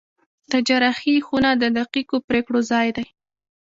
د جراحي خونه د دقیقو پرېکړو ځای دی.